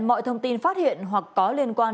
mọi thông tin phát hiện hoặc có liên quan